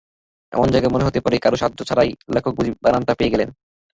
এমন জায়গায় মনে হতে পারে, কারও সাহায্য ছাড়াই লেখক বুঝি বানানটা পেয়ে গেলেন।